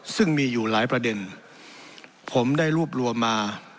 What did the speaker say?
ซึ่งมีอยู่หลายประเด็นผมได้รวบรวมมา